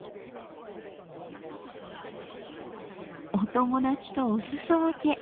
お友達とお裾分け。